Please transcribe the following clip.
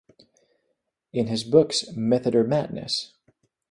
In his books Method-or Madness?